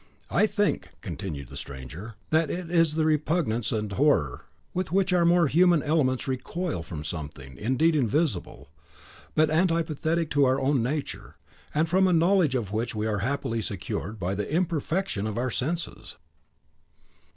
"I think," continued the stranger, "that it is the repugnance and horror with which our more human elements recoil from something, indeed, invisible, but antipathetic to our own nature; and from a knowledge of which we are happily secured by the imperfection of our senses."